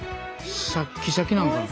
シャッキシャキなんかな。